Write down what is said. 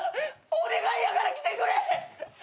お願いやからきてくれ！